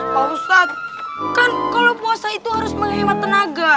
pak ustadz kan kalau puasa itu harus menghemat tenaga